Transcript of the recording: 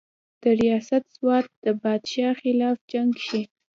درياست سوات د بادشاه خلاف جنګ کښې